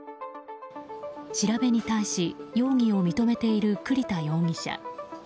調べに対し容疑を認めている栗田容疑者。